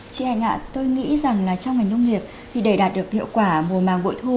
chị hành ạ tôi nghĩ rằng trong ngành nông nghiệp để đạt được hiệu quả mùa màng buổi thu